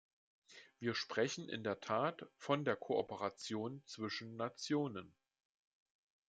Wir sprechen in der Tat von der Kooperation zwischen Nationen.